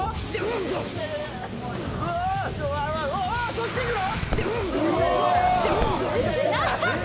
そっち行くの！？